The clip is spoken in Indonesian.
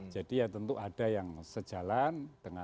jadi ya tentu ada yang sejalan